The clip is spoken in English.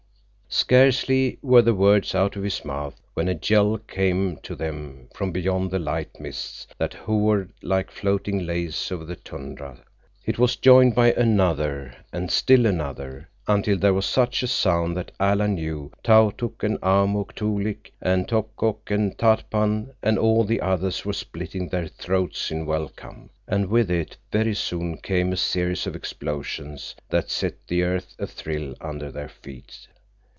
Scarcely were the words out of his mouth when a yell came to them from beyond the light mists that hovered like floating lace over the tundra. It was joined by another, and still another, until there was such a sound that Alan knew Tautuk and Amuk Toolik and Topkok and Tatpan and all the others were splitting their throats in welcome, and with it very soon came a series of explosions that set the earth athrill under their feet.